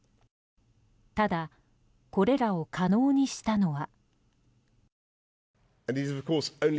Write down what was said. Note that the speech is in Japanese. ただ、これらを可能にしたのは。